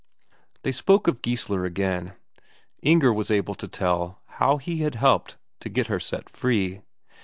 They spoke of Geissler again; Inger was able to tell how he had helped to get her set free.